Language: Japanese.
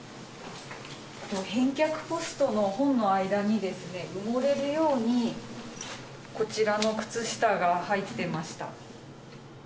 返却ポストの本の間に、埋もれるように、こちらの靴下が入ってました。